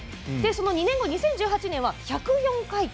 ２年後、２０１８年は１０４回転。